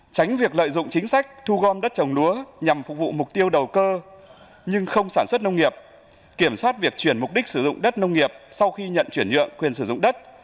tránh việc lợi dụng chính sách thu gom đất trồng lúa nhằm phục vụ mục tiêu đầu cơ nhưng không sản xuất nông nghiệp kiểm soát việc chuyển mục đích sử dụng đất nông nghiệp sau khi nhận chuyển nhượng quyền sử dụng đất